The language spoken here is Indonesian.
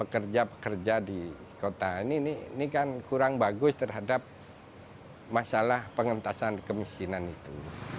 kerja pekerja di kota ini kan kurang bagus terhadap masalah pengentasan kemiskinan itu